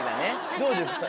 どうですか？